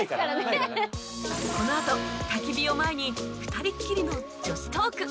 このあと焚き火を前に２人っきりの女子トーク